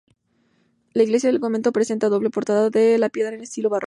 La iglesia del convento presenta doble portada de piedra en estilo barroco.